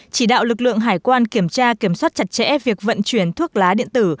chỉ đạo lực lượng hải quan kiểm tra kiểm soát chặt chẽ việc vận chuyển thuốc lá điện tử